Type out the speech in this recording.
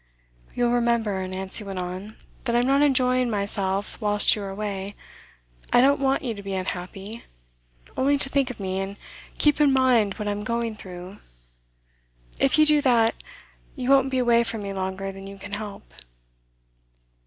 'You'll remember,' Nancy went on, 'that I'm not enjoying myself whilst you are away. I don't want you to be unhappy only to think of me, and keep in mind what I'm going through. If you do that, you won't be away from me longer than you can help.